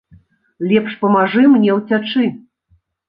Лепш памажы мне ўцячы!